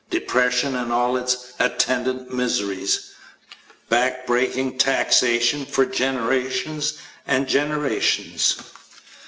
Depression and all its attendant miseries. Back breaking taxation for generations and generations.